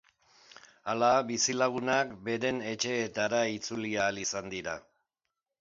Hala, bizilagunak beren etxeetara itzuli ahal izan dira.